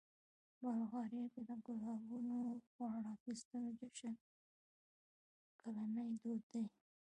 بلغاریا کې د ګلابونو غوړ اخیستلو جشن کلنی دود دی.